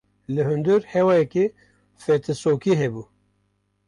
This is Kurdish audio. Li hundir hewayeke fetisokî hebû.